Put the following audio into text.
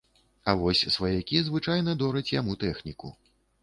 А вось сваякі звычайна дораць яму тэхніку.